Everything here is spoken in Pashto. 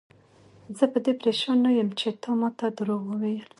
زه په دې پریشان نه یم چې تا ماته دروغ وویل.